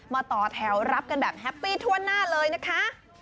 ต่อแถวรับกันแบบแฮปปี้ทั่วหน้าเลยนะคะ